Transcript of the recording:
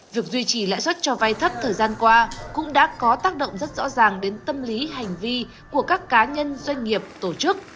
việc duy trì lãi suất cho vay thấp thời gian qua cũng đã có tác động rất rõ ràng đến tâm lý hành vi của các cá nhân doanh nghiệp tổ chức